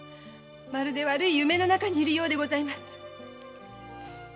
まるで悪い夢の中にいるようでございます。